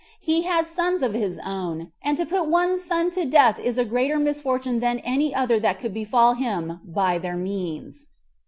He had sons of his own, and to put one's son to death is a greater misfortune than any other that could befall him by their means.